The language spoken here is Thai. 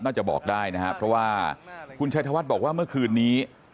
น่าจะบอกได้นะครับเพราะว่าคุณชัยธวัฒน์บอกว่าเมื่อคืนนี้